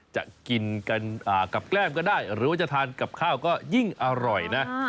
จะกินกันกับแก้มก็ได้หรือว่าจะทานกับข้าวก็ยิ่งอร่อยนะ